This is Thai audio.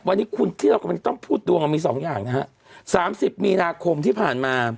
วันนี้คุณที่เรากำลังจะต้องพูดดวงมีสองอย่างนะฮะสามสิบมีนาคมที่ผ่านมา